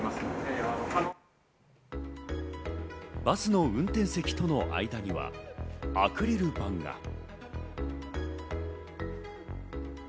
バスの運転席との間にはアクリル板が。